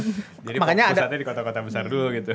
jadi pusatnya di kota kota besar dulu gitu